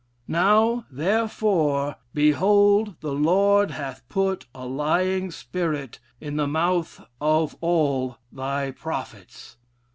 Now, therefore, behold the Lord hath put a lying spirit in the mouth of all thy prophets.'